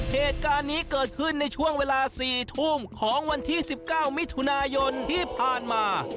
เหตุการณ์นี้เกิดขึ้นในช่วงเวลา๔ทุ่มของวันที่๑๙มิถุนายนที่ผ่านมา